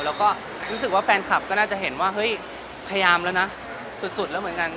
แล้วก็รู้สึกว่าแฟนคลับก็น่าจะเห็นว่าเฮ้ยพยายามแล้วนะสุดแล้วเหมือนกัน